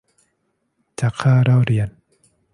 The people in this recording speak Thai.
จากค่าเล่าเรียน